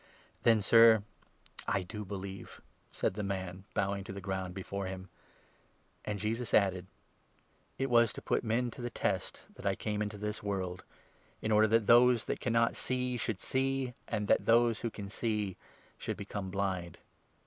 "Then, Sir, I do believe," said the man, bowing to the 38 ground before him ; and Jesus added : 39 " It was to put men to the test that I came into this world, in order that those that cannot see should see, and that those that can see should become blind."